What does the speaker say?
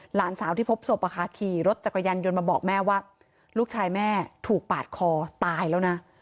หลานสาวที่พบศพขี่รถจักรยานยนต์มาบอกแม่ว่าลูกชายแม่ถูกปาดคอตายแล้วนะ